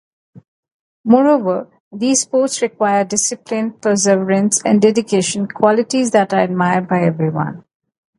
Moreover, these sports require discipline, perseverance, and dedication, qualities that are admired by everyone.